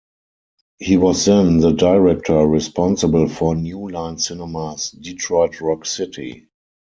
He was then the director responsible for New Line Cinema's "Detroit Rock City".